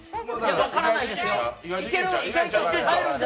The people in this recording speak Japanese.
分からないですよ